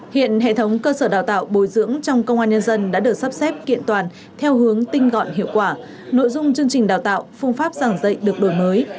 hiện hệ thống cơ sở đào tạo bồi dưỡng trong công an nhân dân đã được sắp xếp kiện toàn theo hướng tinh gọn hiệu quả nội dung chương trình đào tạo phương pháp giảng dạy được đổi mới